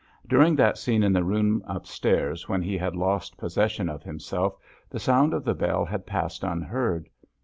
During that scene in the room upstairs, when he had lost possession of himself, the sound of the bell had passed unheard.